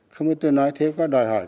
không biết tôi nói thế có đòi hỏi